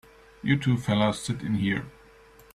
You two fellas sit in here.